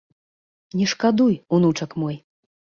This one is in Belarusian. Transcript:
Не шкадуй, унучак мой!